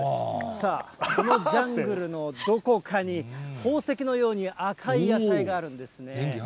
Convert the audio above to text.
さあ、このジャングルのどこかに宝石のように赤い野菜があるんですね。